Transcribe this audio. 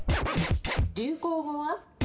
流行語は？